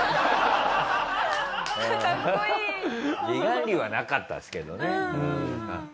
離岸流はなかったですけどね。